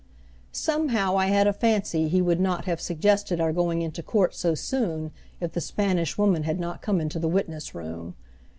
Somehow I had a fancy he would not have suggested our going into court so soon if the Spanish Woman had not come into the witness room.